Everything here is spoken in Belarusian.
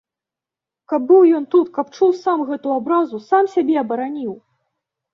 Каб быў ён тут, каб чуў сам гэту абразу, сам сябе абараніў!